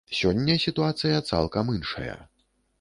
Сёння сітуацыя цалкам іншая.